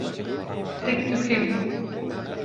tek tuk hebûn